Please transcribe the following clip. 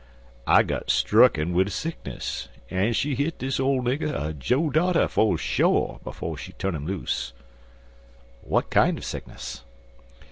"I got strucken wid a sickness, an' she hit de ole nigger a joe darter 'fo' she tu'n 'im loose." "What kind of sickness?"